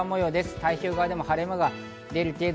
太平洋側でも晴れ間が出る程度。